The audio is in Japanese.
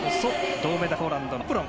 銅メダル、ポーランドのコプロン。